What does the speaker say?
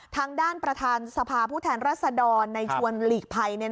ทางด้านประธานสภาผู้แทนรัศดรในชวนหลีกภัย